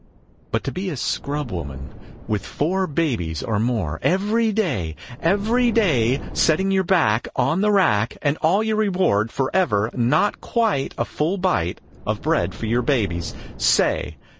But to be a scrubwoman, with four Babies, or more, Every day, every day setting your back On the rack, And all your reward forever not quite A full bite Of bread for your babies. Say!